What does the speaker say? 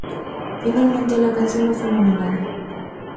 Finalmente, la canción no fue nominada.